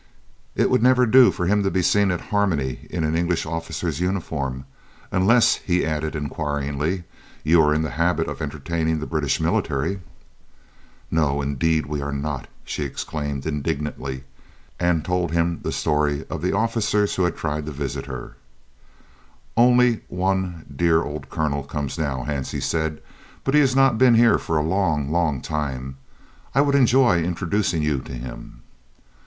It would never do for him to be seen at Harmony in an English officer's uniform "unless," he added inquiringly, "you are in the habit of entertaining the British military?" "No, indeed we are not!" she exclaimed indignantly, and told him the story of the officers who had tried to visit her. "Only one dear old colonel comes now," Hansie said, "but he has not been here for a long, long time. I would enjoy introducing you to him."